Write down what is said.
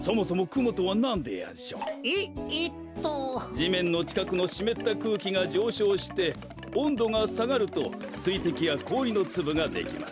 じめんのちかくのしめったくうきがじょうしょうしておんどがさがるとすいてきやこおりのつぶができます。